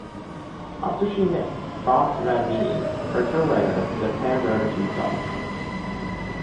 After she met Bart van Veen, her co-writer, the pair wrote a few songs.